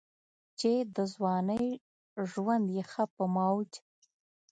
چې دَځوانۍ ژوند ئې ښۀ پۀ موج